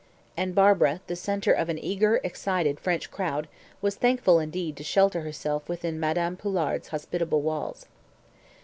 And Barbara, the centre of an eager, excited French crowd, was thankful, indeed, to shelter herself within Madame Poulard's hospitable walls.